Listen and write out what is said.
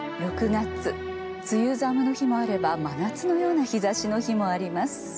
６月梅雨寒の日もあれば真夏のような日差しの日もあります。